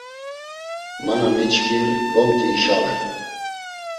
Ma na miçkin, gomti işaven.